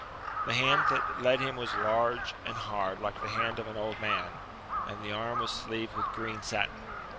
The hand that led him was large, and hard, like the hand of an old man, and the arm was sleeved with green satin.